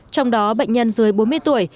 trong đó bệnh nhân dưới bốn mươi tuổi